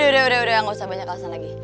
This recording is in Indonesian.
udah udah gak usah banyak alasan lagi